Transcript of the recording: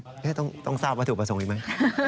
ต้องทราบว่าถึงวัตถุประสงค์อีกมั้ย